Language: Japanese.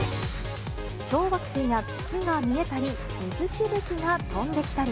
小惑星や月が見えたり、水しぶきが飛んできたり。